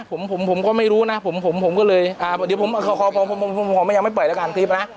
ผมก็ไม่รู้นะผมก็เลยเดี๋ยวผมยังไม่เปิดแล้วกันคลิปนะ